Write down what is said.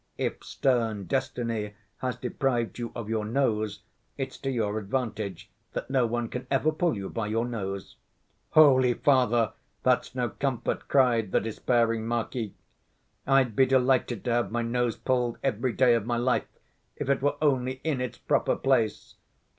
If stern destiny has deprived you of your nose, it's to your advantage that no one can ever pull you by your nose.' 'Holy father, that's no comfort,' cried the despairing marquis. 'I'd be delighted to have my nose pulled every day of my life, if it were only in its proper place.